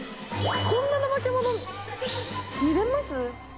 こんなナマケモノ見られます？